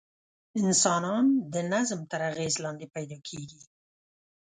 انسانان د نظم تر اغېز لاندې پیدا کېږي.